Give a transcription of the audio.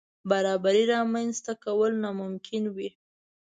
برابرۍ رامنځ ته کول ناممکن وي.